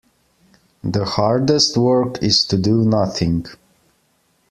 The hardest work is to do nothing.